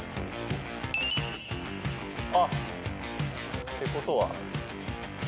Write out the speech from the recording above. あっってことは。